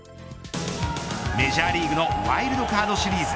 メジャーリーグのワイルドカードシリーズ。